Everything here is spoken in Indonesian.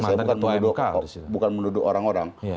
saya bukan menuduh orang orang